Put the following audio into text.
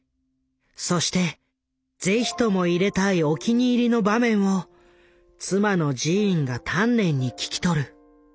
そして是非とも入れたいお気に入りの場面を妻のジーンが丹念に聞き取る。